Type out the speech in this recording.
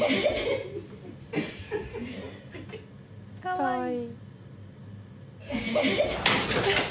かわいい。